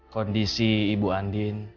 kondisi ibu andin